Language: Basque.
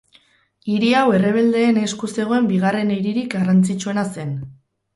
Hiri hau errebeldeen esku zegoen bigarren hiririk garrantzitsuena zen.